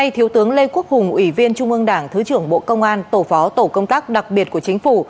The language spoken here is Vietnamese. thiếu tướng lê quốc hùng ủy viên trung ương đảng thứ trưởng bộ công an tổ phó tổ công tác đặc biệt của chính phủ